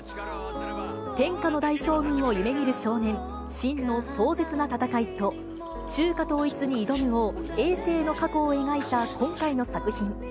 天下の大将軍を夢みる少年、信の壮絶な戦いと、中華統一に挑む王、えい政の過去を描いた今回の作品。